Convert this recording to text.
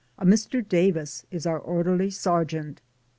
A Mr. Davis is our orderly ser geant.